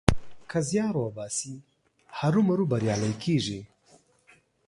که زيار وباسې؛ هرو مرو بريالی کېږې.